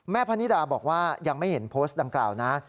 พนิดาบอกว่ายังไม่เห็นโพสต์ดังกล่าวนะ